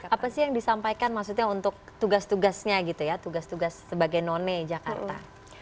apa sih yang disampaikan maksudnya untuk tugas tugasnya gitu ya tugas tugas sebagai none jakarta